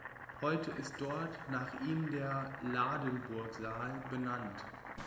Heute ist dort nach ihm der „"Ladenburg-Saal"“ benannt.